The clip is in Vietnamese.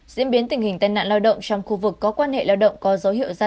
diễn biến tình hình tai nạn lao động trong khu vực có quan hệ lao động có dấu hiệu gia tăng